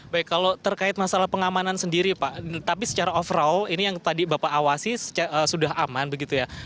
baik kalau terkait masalah pengamanan sendiri pak tapi secara overall ini yang tadi bapak awasi sudah aman begitu ya